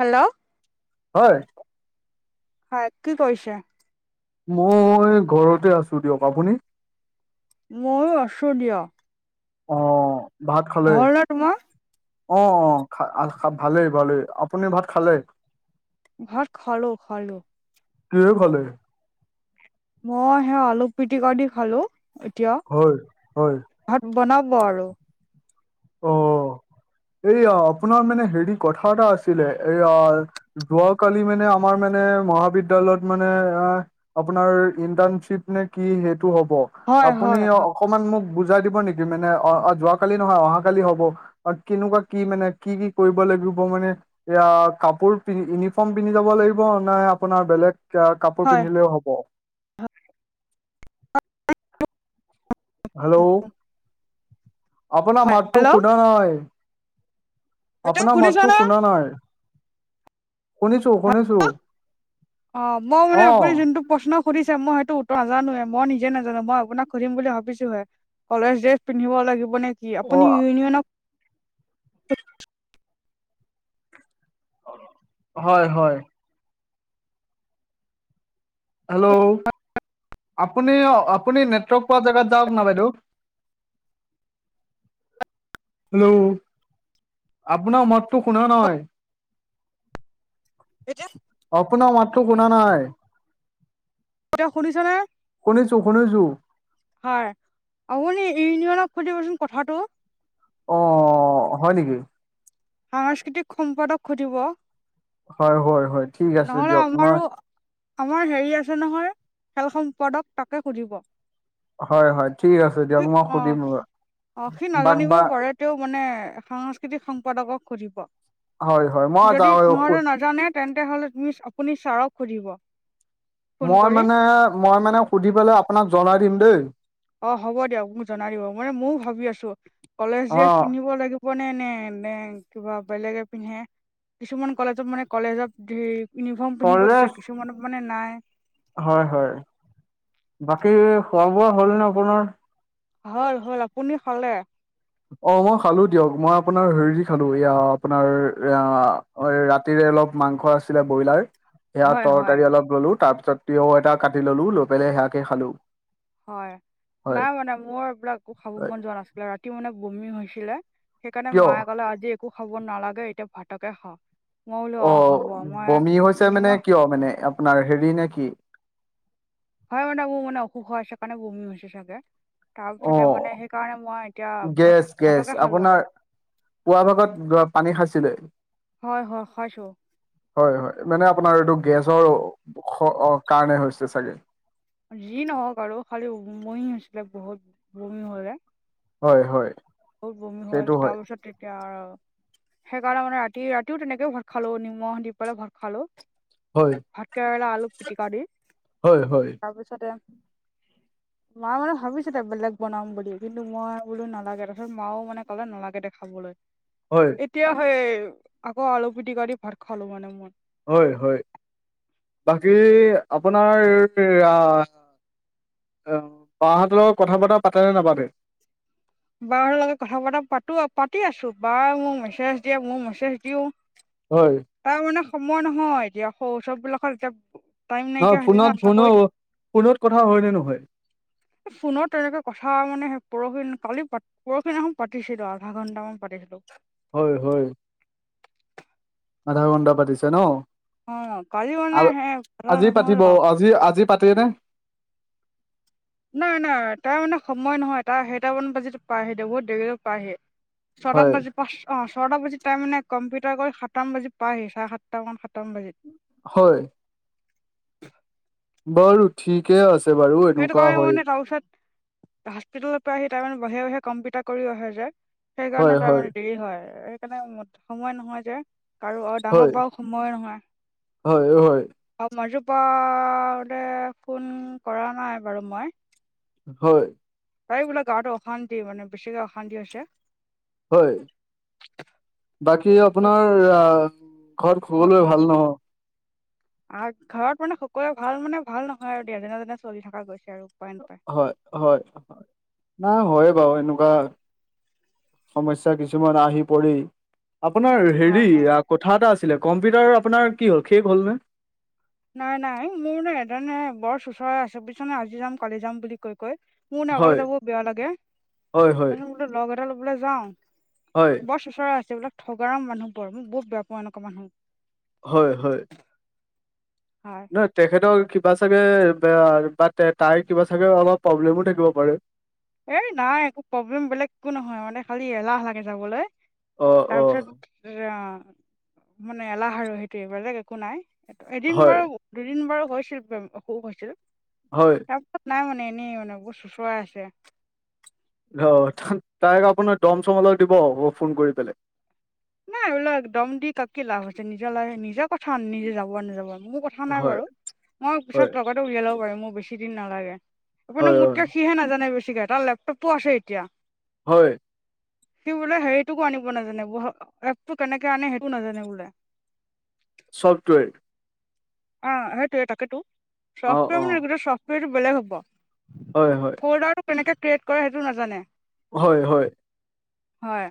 Hello. হয়। হয়। কি কৰিছা? মই ঘৰতে আছোঁ দিয়ক। আপুনি? ময়ো আছোঁ দিয়া। অ' ভাত খালে? হ'ল ন তোমাৰ? অ', অ' খা ভালেই ভালেই। আপুনি ভাত খালে? ভাত খালো খালো। কিহেৰে খালে? মই হেই আলু পিটিক দি খালো এতিয়া। হয়, হয়। ভাত বনাব আৰু। অ' এইয়া আপোনাৰ মানে হেৰি কথা এটা আছিলে এইয়া যোৱাকালি মানে আমাৰ মানে মহাবিদ্যালয়ত মানে আ আপোনাৰ ইণ্টাৰ্ণশ্বিপ নে কি সেইটো হ'ব। হয় আপুনি হয় হয় অকমান মোক বুজাই দিব নেকি মানে, অ' যোৱাকালি নহয় অহা কালি হ'ব আৰু কেনেকুৱা কি মানে কি কি কৰিব লাগিব মানে এতিয়া কাপোৰ পিন, ইউনিফৰ্ম পিন্ধি যাব লাগিব নাই আপোনাৰ বেলেগ কাপোৰ হয় পিন্ধিলেও হ'ব? হেল্ল'। আপোন হয় মাটটো হেল্ল' শুদা নাই। এতিয়া আপোনাৰ শুনিছা মাতটো ন? শুনা নাই। শুনিছোঁ শুনিছোঁ। অ' মই মানে আপুনি যোনটো প্ৰশ্ন সুধছে মই সেইটো উত্তৰ নাজানোৱে, মই নিজে নাজানো, মই আপোনাক সুধিম বুলি ভাবিছোহে। কলেজ ড্ৰেছ পিন্ধিব লাগিব নেকি, অ আপুনি ইউনিয়নক হয় হয়। হেল্ল'। আপুনি আপুনি নেটৱৰ্ক পোৱা জেগাত যাওক না বাইদেউ। [inaudible] হেল্ল'। আপোনাৰ মাতটো শুনা নাই। এতিয়া আপোনাৰ মাতটো শুনা নাই। কিয় শুনিছনে? শুনিছো শুনিছো হয়, আপুনি ইউনিয়নক সুধিবচোন কথাটো। অ' হয় নেকি? সাংস্কৃতিক সম্পাদক সুধিব? হয়-হয়-হয় ঠিক আছে নহ'লে দিয়ক। মই আমাৰো আমাৰ হেৰি আছে নহয়, খেল সম্পাদক তাকে সুধিব। হয়-হয় ঠিক আছে দিয়ক। মই সুধিম ৰবা। অহ, সি নাজানিবও পাৰে তেওঁ‌ মানে সাংস্কৃতিক সম্পাদকক সুধিব, হয় হয় মই যা যদি সিহঁতে নাজানে, তেন্তে হ'লে তুমি আপুনি ছাৰক সুধিব। ফোন মই কৰি মানে, মই মানে সুধি পেলাই আপোনাক জনাই দিম দেই। অহ, হ'ব দিয়ক মোক জনাই দিব। মানে মইয়ো ভাবি আছোঁ, কলেজ অ ড্ৰেছ পিন্ধিব লাগিব। হ'বনে, নে-নে কিবা বেলেগে পিন্ধে, কিছুমান কলেজত মানে কলেজত ধ ইউনিফৰ্ম পিন্ধিব দিছে, কলেজ কিছুমানত মানে নাই। হয়, হয়। বাকী খোৱা-বোৱা হ'লনে আপোনাৰ? হ'ল হ'ল। আপুনি খালে? অহ, মই খালোঁ দিয়ক। মই আপোনাৰ হেৰি খালোঁ, এয়া আপোনাৰ আহ অহ, ৰাতিৰে অলপ মাংস আছিলে ব্ৰইলাৰ। সেয়া হয় হয় তৰকাৰী অলপ ললোঁ, তাৰপিছত তিয়হও এটা কাটি ললোঁ, লৈ পেলাই সেয়াকে খালোঁ। হয়। নাই মানে মোৰ এইবিলাক একো খাব হয় মন যোৱা নাছিলে, ৰাতি মানে বমি হৈছিলে। সেইকাৰণে কিয় মায়ে কলে আজি একো খাব নালাগে, এতিয়া ভাতকে খা। মই বোলো অ অহ, হ'ব মই বমি হৈছে মানে নিমখ কিয় মানে, আপোনাৰ হেৰি নেকি? হয় মানে মোৰ মানে, অসুখ হৈ আছে সেইকাৰণে বমি হৈছে চাগে। অ তাৰপিছতে মানে, সেইকাৰণে মই এতিয়া গেছ গেছ ভত-ভতকে খালোঁ আপোনাৰ আৰু। পুৱা ভাগত পানী খাইছিলে? হয়, হয়, খাইছোঁ। হয়, হয়। মানে আপোনাৰ এইটো গেছৰ কাৰণে হৈছে চাগে। যি নহওঁক আৰু খালি উমহি হৈছিলে বহুত বমি হ'লে। হয়, হয়। বহুত বমি হ'ল সেইটো হয় তাৰপিছত এতিয়া আৰু সেইকাৰণে মানে ৰাতি, ৰাতিও তেনেকে ভত খালোঁ নিমখ দি পেলাই ভত খালোঁ। হয়। ভতকেৰেদা আলু পিটিকা দি। হয়, হয়। তাৰপিছতে মাই মানে ভাবিছে এ বেলেগ বনাম বুলি কিন্তু মই বোলো নালাগে দে। তাৰপিছত মাও মানে ক'লে নালাগে দে দেখাবলৈ। হয়। তেতিয়াহে আকৌ আলু পিটিকা দি ভাত খালোঁ মানে মই। হয়, হয়। বাকী আপোনাৰ অহ, বাহঁতৰ লগত কথা-বতৰা পাতেনে নাপাতে? বাহঁতৰ লগত কথা পতা-পাতো-পাতি আছোঁ বাই মোক মেছেজ দিয়ে, মইয়ো মেছেজ দিওঁ। হয়। তাৰ মানে সময় নহয় এতিয়া, শৌচৱবিলাকত এতিয়া টাইম নহয় নাইকিয়া হৈছে ন চাকৰিত ফোনত-ফোনো-ফোনত কথা হয়নে নহয়? ফোনত তেনেকে কথা মানে পৰহি কালি পা পৰহি দিনাখন পাতিছিলোঁ আধা ঘণ্টামান পাতিছিলোঁ হয়, হয়। আধা ঘন্ধ পাতিছে ন'। অ কালি মানে সে কথা আজি নহল পাতিব, আৰু আজি-আজি পাতেনে? নাই নাই তাৰ মানে সময় নহয়, তাৰ সেইটামান বাজিত পায়হি দে, বহুত দেৰিকে পায়হি। ছয়টামান হয় বাজিত পাঁচ অহ, ছয়টা বাজিত তাই মানে কম্পিউটাৰ কৰি সাতটামান বাজিত পাইহি, চাৰে সাতটামান, সাতটামন বাজিত। হয়। বাৰু ঠিকে আছে বাৰু, এনেকুৱা হয়। [unintelligible] হস্পিতালৰ পৰা আহি তাৰ মানে বাহিৰে বাহিৰে কম্পিউটাৰ কৰি আহে যে। হয় সেইকাৰণে হয়। তাৰমানে দেৰি হয় সেইকাৰণে সময় নহয় যে কাৰো আৰু হয় ডাঙৰ পৰাও সময় নহ হয় হয় অ', মই [unintelligible] দে ফোন কৰা নাই বাৰু মই। হয়। তাই বোলে গাৱতো অশান্তি মানে বেছিকে অশান্তি হৈছে হয় বাকী আপোনাৰ আহ ঘৰত হয় শুবলৈ হয় ভাল নহয়। [inaudible] আৰু ঘৰত মানে সকলোৱে ভাল মানে ভাল নহয় আৰু দে যেনে তেনে চলি থকা গৈছে আৰু উপায় নোাপায় হয়, হয়। না হয় বাৰু এনেকুৱা সমস্যা কিছুমান আহি পৰি আপোনাৰ হয় হেৰি হয় কথা এটা আছিলে, কম্পিউটাৰ আপোনাৰ কি হ'ল শেষ হ'ল নে? নাই, নাই মোৰ ন এদণে বৰ চোচৰা আছে পিছ ন আজি যাম কালি যাম বুলি কৈ কৈ। মোৰ নহ হয়, অকলে যাব বেয়া লাগে, হয়, হয়, [unintelligible] বোলো লগ এটা লবলে যাওঁ। হয়। বৰ চুচৰা আছে এইবাক ঠগ মানুহবোৰ মই বহু বেয়া পাওঁ এনেুৱা মানুহ। হয়, হয়। হয়। নহয়, তেখেতৰ কিবা চাগে বা তাই কিবা চাগে অলপ প্ৰব্লেমো থাকিব পাৰে। এই নাই একো প্ৰব্লেম বেলেগ একো নহয়, মানে খালি এলাহ লাগে যাবলৈ অ', তাৰপিছত অ', অ', মানে এলাহ আৰু সেইটো এইবাৰ একো নাই এইটো এদিন হয়, বাৰু দুদিন বাৰু হৈছিল, অসুখ হৈছিল। হয়। কাপত নাই মানে এনেই মানে বহুত চোঁচৰা আছে। অ', তাইক আপোনাৰ দম চম অলপ দিব, ফোন কৰি পেলাই। নাই এইবিলাক এক দম দি কাক কি লাভ হৈছে, নিজৰ লাইভ নিজক কথা নিজে যাব নাযাব, মোৰ কথা নাই হয়, বাৰুহ মই হয়, পিছত লগত উলিয়াব পাৰি মোৰ বেছি দিন নালাগে আপু হয়, হয়, মোতকে সিহে নাজানে বেছিকে তাৰ ল টোপ আছে এতিয়া। হয়। সি বোলে সেইটোকো আনিব নাজানে ব এপটো কেনেকে আনে সেইটো নাজানে বোলে। ছফ্টৱেৰ? অ', সেইটোয়ে তাকেতো অ', চফ্টৱেৰ অ', মানে, চফ্টৱেৰটো বেলেগ হ'ব। হয়, হয়, ফ'ল্ডাৰটো কেনেকে ক্ৰিয়েট কৰে সেইটো নাজানে। হয়, হয়। হয়।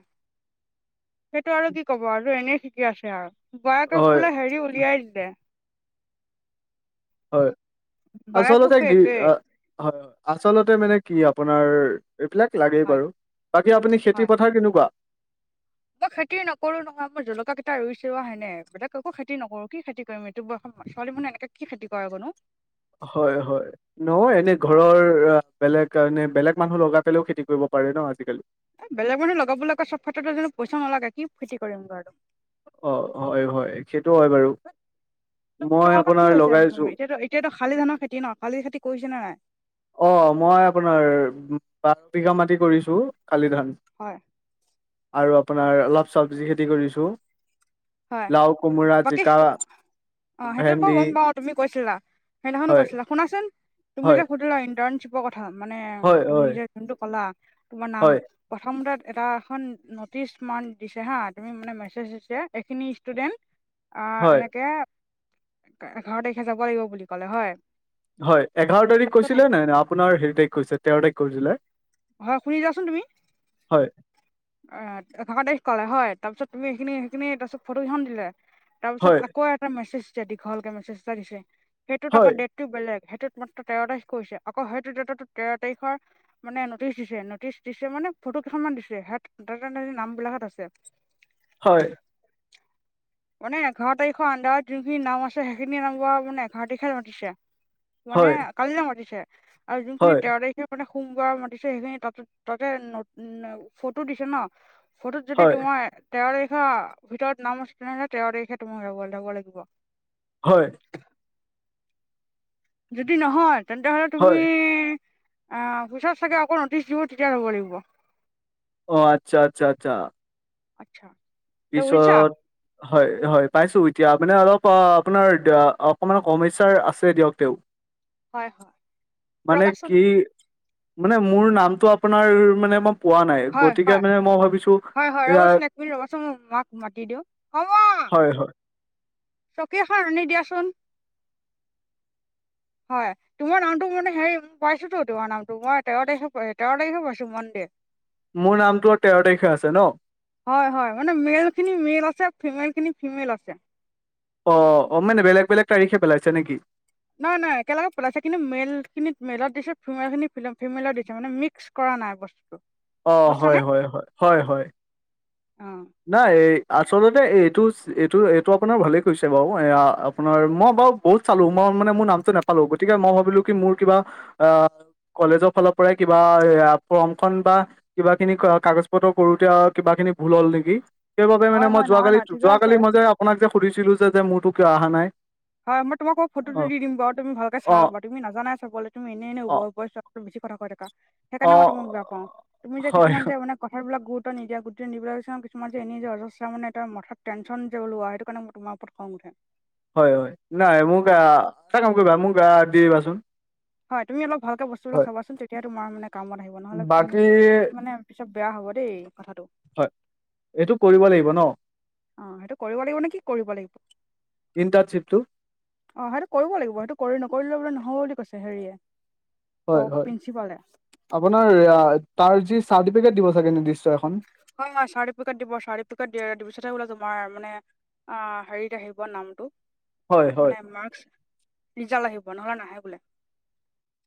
সেইটো আৰু কি কব আৰু, এনেই শিকি আছে আৰু। বয়েকক হয়, বোলে হেৰি উলিয়াই দিলে। হয়, বায়েকো আচলতে সেই কি একেই হয় আচলতে মানে কি আপোনাৰ এইবিলাক লাগেই হয় বাৰু, বাকী আপুনি খেতি হয় পথাৰ কেনেকুৱা? মই খেতি নকৰো নহয়, মোৰ জলকিয়া কেইটা ৰুইছোৱা হেনে বোলে একো খেতি নকৰো কি খেতি এই ব ছোৱালী মানে এনেকে কি খেতি কৰে কনো। হয়, হয়। নহয়, এনে হয় ঘৰৰ বেলেগ এ বেলেগ মানুহ লগাই পেললেও খেতি কৰিব পাৰে ন' আজিকালি। বেলেগ মানুহ লগাবলৈ ক' চব ক্ষেত্ৰতো জানো পইচা নালাগে, কি খেতি কৰিম আৰু। অ', হয়, হয়, সেইটো হয় বাৰু তুমি মই তোমালোকৰ কি আপোনাৰ হৈছে লগাইছো এতিয়াতো এতিয়াতো খালি ধানৰ খেতি ন, খালি খেতি কৰিছে নে নাই? অ', মই আপোনাৰ বঘ বিঘা মাটি কৰিছো খালি ধান। হয়। আৰু আপোনাৰ অলপ চব্জি খেতি কৰিছোঁ। হয় লাও, কোমোৰা, বাকী জিকা, অ সেইটো বাৰু ভেণ্ডি। গম পাও তুমি কৈছিলা, সেইদিনাখনো কৈছিলা। শুনাচোন তুমি হয়, যে সুধিলা ইণ্টাৰ্শ্বিপ মানে হয়, তুমি হয়, নিজৰ যোনটো কলা, তোমাৰ নাম হয়, প্ৰথম তাত এটা এখন ন'টিচ মান দিছে হা, তুমি মানে মেছেজ দিছে এইখিনি ষ্টুডেণ্ট আ, হয়। এনেকে এঘাৰ তাৰিখে যাব লাগিব বুলি ক'লে হয়। হয়, এঘাৰ তাৰিখ তাৰপিছত কৈছিলে নাই নে আপোনাৰ হেৰি তাৰিখ কৈছে তেৰ তাৰিখ কৈছিলে? হয়, শুনি যাচোন তুমি। হয়। অ' তেৰ তাৰিখ ক'লে হয় তাৰপিছত তুমি সেইখিনি সেইখিনি তাৰপিছত ফটোকেইখন দিলে। তাৰপিছত হয় আকৌ এটা মেছেজ দিছে, দীঘলকে মেছেজ এটা দিছে সেইটোত হয় আকৌ ডেট বেলেগ, সেইটোত মাত্ৰ তেৰ তাৰিখ কৈছে আকৌ সেইটো ডেটো তেৰ তাৰিখৰ মানে নটিচ দিছে, নটিচ দিছে মানে ফটো কৈইখনমান দিছে হেত নামবিলাকত আছে। হয়। [inaudible] মানে এঘাৰ তাৰিখৰ আণ্ডাৰত যোনখিনি নাম আছে সেইখিনি নাম মানে এঘাৰ তাৰিখে মাতিছে। মানে হয় কালিলে মাতিছে আৰু যোনখিনি হয় তেৰ তাৰিখে মানে সোমবাৰ মাতিছে সেইখিনি তাত তাতে ন' ফটো দিছে ন' ফটোত যদি হয় তোমাৰ তেৰ তাৰিখৰ ভিতৰত নাম আছে তেনেহ'লে তেৰ তাৰিখে তোমাৰ যাব লাগিব। হয়। যদি নহয় তেন্তে হ'লে তুমি হয় আ, পিছত ছাগে আকৌ ন'টিছ দিব তেতিয়া যাব লাগিব। অ' আচ্ছা আচ্ছা আচ্ছা। আচ্ছা। এতিয়া বুজিছা পিছত হয়, হয় পাইছোঁ, এতিয়া মানে অলপ আপোনাৰ অকমান সমস্যাৰ আছে দিয়ক তেওঁ। হয় হয় মানে ৰ'বাচোন কি মানে মোৰ নামটো আপোনাৰ মানে মই পোৱা নাই হয় গতিকে মানে মই ভাবিছোঁ এয়া আপুনি ৰ'বচোন মই মাক মাতি দিওঁ, অ' মা। হয় হয়। চকী এখন আনি দিয়াচোন। হয়। তোমাৰ নামটো মানে হে, মই পাইছোতো, তোমাৰ নামটো মই তেৰ তাৰিখে প তেৰ তাৰিখে পাইছো মনডে। মোৰ নামটো তেৰ তাৰিখে আছে ন'? হয় হয়, মানে মেলখিনি মেল আছে, ফিমেলখিনি ফিমেল আছে। অ', অ' মানে বেলেগ বেলেগ তাাৰিখে পেলাইছে নেকি? নাই নাই একেলগে পলাইছে কিন্তু মেলখিনিত মেলত দিছে, ফিমেলখিনি ফিমেলত দিছে মানে মিক্স কৰা নাই বস্তুটো। অ' বুজিছানে হয় হয় হয়, হয় হয়। অ'। নাই এই আচলতে এইটো এইটো এইটো আপোনাৰ ভালেই কৰিছে বাৰু এয়া আপোনাৰ মই বাৰু বহুত চালো মই মানে মোৰ নামটো নাপালো গতিকে মই ভাবিলোঁ কি মোৰ কিবা আ কলেজৰ ফালৰপৰাই কিবা এ, ফমখন বা কিবাখিনি কাগজ পত্ৰ কৰোঁতে কিবাখিনি ভুল হ'ল নেকি। সেইবাবে মানে হয় হয় মই নহয় যোৱাকালি, নহয় ঠিকে আছে যোৱাকালি মই যে আপোনাক যে সুধিছিলো যে মোৰতো কিয় অহা নাই। হয়, মই তোমাক ফ'টোটো অ দিম বাৰু তুমি ভালকে অ চাই লবা। তুমি নাজানাই চাবলৈ, তুমি এনে এনে অ বেছি কথা কৈ থাকা। সেইকাৰণে অ মই তোমাক বেয়া পাওঁ, তুমি যে হয় কিছুমান যে মানে কথাবিলাক গুৰুত্ব নিদিয়া, গুৰুত্ব নিবলৈ কিছুমান যে এনে যে অজচৰা মানেটা মাথাত টেনচন যে লোৱা সেই কাৰণে তোমাৰ ওপৰত খং উঠে। হয়, হয়। নাই, মোক গা হয় এটা কাম কৰিবা মোক গা দি দিবাচোন। হয়। তুমি অলপ ভালকে বছ [unintelligible] হয় চাবাচোন, তেতিয়া তোমাৰ মানে কামত আহিব। নহ'লে উ বাকী মানে পিছত বেয়া হ'ব দেই, কথাটো। হয়। এইটো কৰিব লাগিব ন'? অ, সেইটো কৰিব লাগিব নে কি কৰিব লাগিব? ইণ্টাচিপটো অ', সেইটো কৰিব লাগিব। সেইটো কৰি নকৰিলে বোলে নহ'ব বুলি কৈছে হেৰিয়ে। হয়। হয়। প্ৰিন্সিপালে আপোনাৰ তাৰ যি চাৰ্টিফিকেট দিব চাগে নিৰ্দিশ্য এখন। হয়। হয়। চাৰ্তিপিকেত দিব, চাৰ্তিপিকেত দিয়ে। পিছহে বোলে তোমাৰ মানে অ, হেৰিত আহিব নামটো হয় হয় মানে মাৰ্কচ ৰিজাল্ট আহিব, নহ'লে নাহে বোলে।